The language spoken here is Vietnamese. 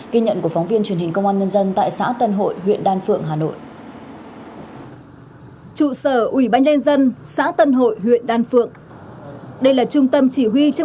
ghi nhận của phóng viên truyền hình công an nhân dân tại xã tân hội huyện đan phượng hà nội